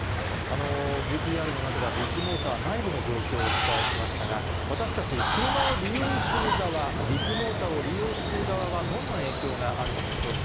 ＶＴＲの中では、ビッグモーター内部の状況をお伝えしましたが、私たち、車を利用する側、ビッグモーターを利用する側はどんな影響があるんでしょうか。